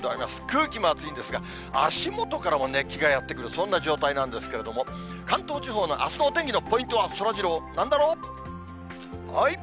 空気も暑いんですが、足元からも熱気がやって来る、そんな状態なんですけれども、関東地方のあすのお天気のポイントはそらジロー、なんだろう？